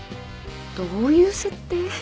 どういう設定？